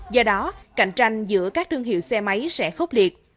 do đó cạnh tranh giữa các thương hiệu xe máy sẽ khốc liệt